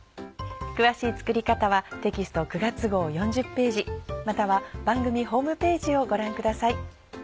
詳しい作り方はテキスト９月号４０ページまたは番組ホームページをご覧ください。